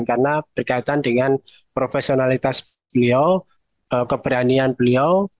karena berkaitan dengan profesionalitas beliau keberanian beliau